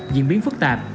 diễn biến phức tạp